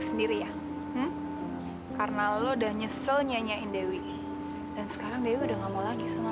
satu hal yang mau gue tanya dari lu